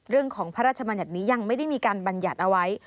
เรื่องของพระราชมัญญัตินี้ยังไม่ได้มีการบรรยัติเอาไว้